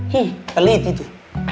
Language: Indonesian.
hih pelit itu